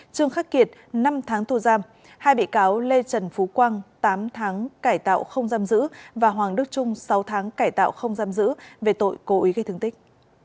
trương khắc kiệt năm tháng tù giam hai bị cáo lê trần phú quang tám tháng cải tạo không giam giữ và hoàng đức trung sáu tháng cải tạo không giam giữ về tội cố ý gây thương tích